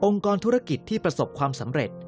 กรธุรกิจที่ประสบความสำเร็จ